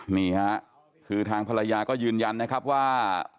นี่ค่ะคือทางภรรยาก็ยืนยันนะครับว่า